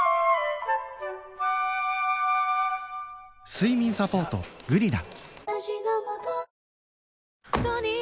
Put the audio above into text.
睡眠サポート「グリナ」